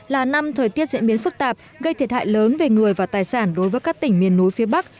là năm thời tiết diễn biến phức tạp gây thiệt hại lớn về người và tài sản đối với các tỉnh miền núi phía bắc